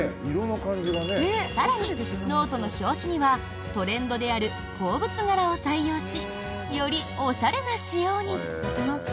更にノートの表紙にはトレンドである鉱物柄を採用しよりおしゃれな仕様に。